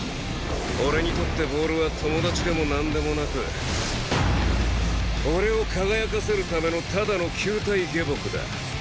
俺にとってボールは友達でもなんでもなく俺を輝かせるためのただの球体下僕だ。